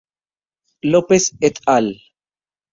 López et al.